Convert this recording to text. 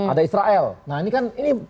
ada israel nah ini kan ini